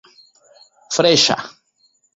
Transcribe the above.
freŝa